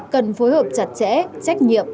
cần phối hợp chặt chẽ trách nhiệm